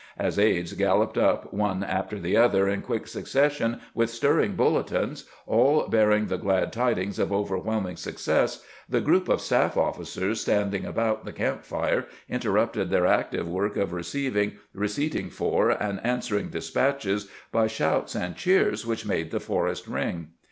As aides galloped up one after the other in quick succession with stirring bulletins, all.bear ing the glad tidings of overwhelming success, the group of staff oflficers standing about the camp fire interrupted their active work of receiving, receipting for, and an swering despatches by shouts and cheers which made the forest ring.